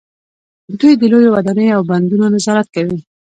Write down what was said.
دوی د لویو ودانیو او بندونو نظارت کوي.